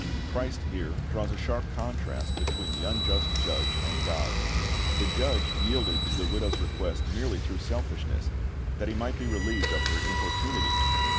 Christ here draws a sharp contrast between the unjust judge and God. The judge yielded to the widow's request merely through selfishness, that he might be relieved of her importunity.